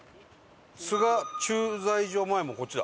津賀駐在所前もこっちだ。